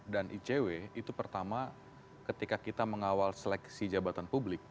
dan icw itu pertama ketika kita mengawal seleksi jabatan publik